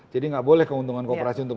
jadi gak boleh keuntungan kooperasi untuk